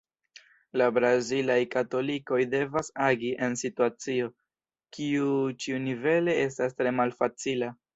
La brazilaj katolikoj devas agi en situacio, kiu ĉiunivele estas tre malfacila.